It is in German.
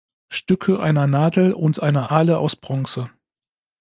Stücke einer Nadel und einer Ahle aus Bronze.